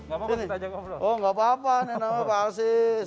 oh enggak apa apa ini nama pak asis